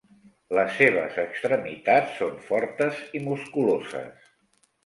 Les seves extremitats són fortes i musculoses.